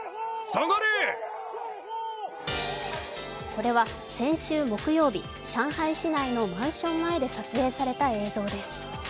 これは先週木曜日、上海市内のマンション前で撮影された映像です。